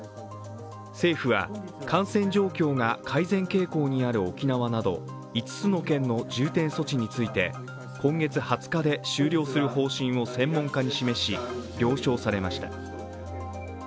政府は、感染状況が改善傾向にある沖縄など、５つの県の重点措置について今月２０日で終了する方針を専門家に示し、了承されました。